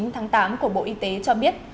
chín tháng tám của bộ y tế cho biết